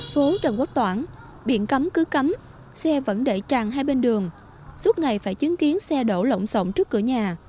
phố trần quốc toãn biển cấm cứ cấm xe vẫn đẩy tràn hai bên đường suốt ngày phải chứng kiến xe đậu lộn rộng trước cửa nhà